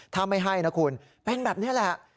ถ้าไม่ให้นะคุณเป็นแบบนี้แหละ